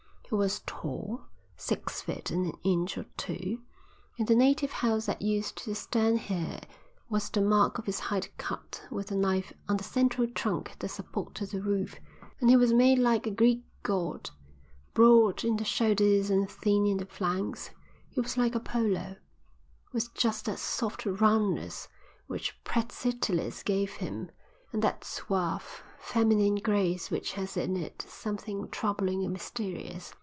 He was tall, six feet and an inch or two in the native house that used to stand here was the mark of his height cut with a knife on the central trunk that supported the roof and he was made like a Greek god, broad in the shoulders and thin in the flanks; he was like Apollo, with just that soft roundness which Praxiteles gave him, and that suave, feminine grace which has in it something troubling and mysterious.